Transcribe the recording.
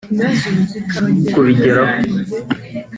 Kubigeraho